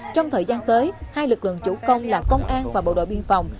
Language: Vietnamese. trong thời gian tới hai lực lượng chủ công là công an và bộ đội biên phòng